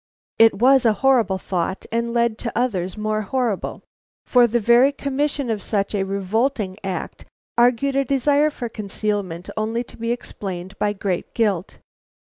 It was a horrible thought and led to others more horrible. For the very commission of such a revolting act argued a desire for concealment only to be explained by great guilt.